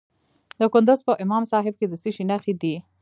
د کندز په امام صاحب کې د څه شي نښې دي؟